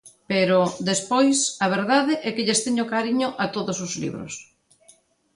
Pero, despois, a verdade é que lles teño cariño a todos os libros.